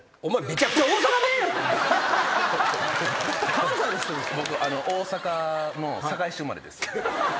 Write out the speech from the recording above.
関西の人ですか？